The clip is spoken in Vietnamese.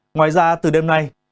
ngoài ra từ đêm nay